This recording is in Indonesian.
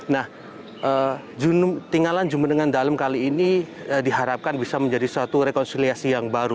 nah tinggalan jum'at dengan dalem kali ini diharapkan bisa menjadi suatu rekonsiliasi yang baru